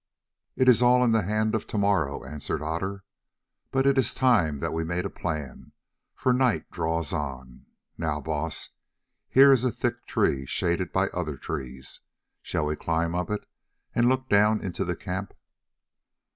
"It is all in the hand of to morrow," answered Otter; "but it is time that we made a plan, for the night draws on. Now, Baas, here is a thick tree shaded by other trees. Shall we climb it and look down into the camp?"